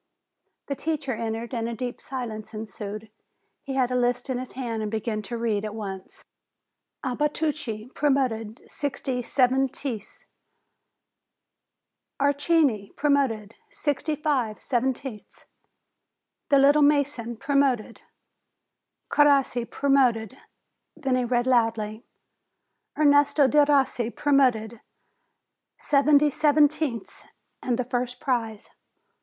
The teacher entered, and a deep silence ensued. He had the list in his hand, and began to read at once. "Abatucci, promoted, sixty seventieths, Archini, promoted, fifty five seventieths." The "little mason" promoted; Crossi promoted. Then he read loudly: "Ernesto Derossi, promoted, seventy seventieths, and the first prize."